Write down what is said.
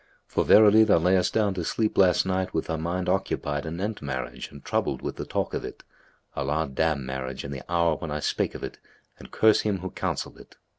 For verily thou layest down to sleep last night with thy mind occupied anent marriage and troubled with the talk of it (Allah damn marriage and the hour when I spake of it and curse him who counselled it!)